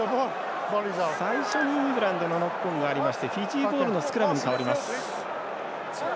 最初にイングランドのノックオンがありましてフィジーボールのスクラムに変わります。